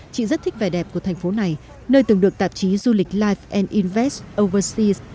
chị rất thích vẻ đẹp của thành phố này nơi từng được tạp chí du lịch life invest overseas